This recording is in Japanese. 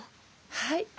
はい。